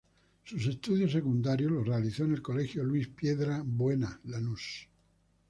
Sus estudios secundarios los realizó en el Colegio Luis Piedra Buena -Lanús-.